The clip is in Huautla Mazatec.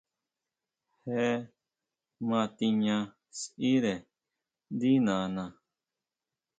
Je ma tiña sʼíre ndí nana.